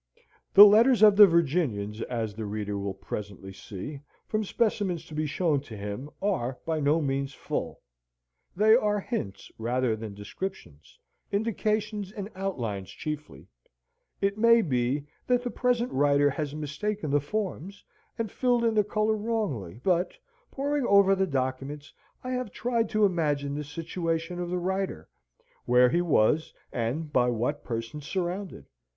The letters of the Virginians, as the reader will presently see, from specimens to be shown to him, are by no means full. They are hints rather than descriptions indications and outlines chiefly: it may be, that the present writer has mistaken the forms, and filled in the colour wrongly: but, poring over the documents, I have tried to imagine the situation of the writer, where he was, and by what persons surrounded.